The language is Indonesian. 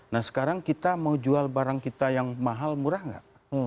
nah sekarang kita mau jual barang kita yang mahal murah nggak